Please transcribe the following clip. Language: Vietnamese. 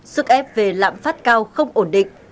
sức ép về lãm phát cao không ổn định